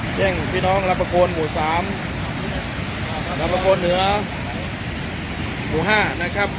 เนื้อเดือนหลักประโกนหมู่สามหลักประโกนเหนือหมู่๕นะครับ